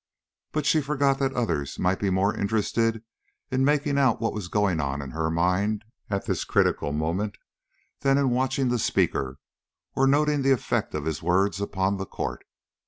But she forgot that others might be more interested in making out what was going on in her mind at this critical moment than in watching the speaker or noting the effect of his words upon the court.